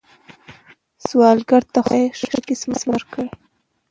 سوالګر ته خدای ښه قسمت ورکړي